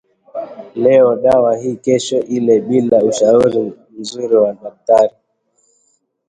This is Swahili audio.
Leo dawa hii kesho ile bila ushauri mzuri wa daktari